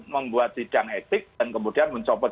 membuat sidang etik dan kemudian mencopot